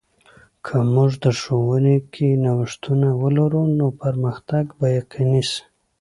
که موږ د ښوونې کې نوښتونه ولرو، نو پرمختګ به یقیني سي.